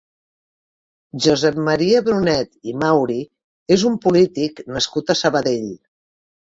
Josep Maria Brunet i Mauri és un polític nascut a Sabadell.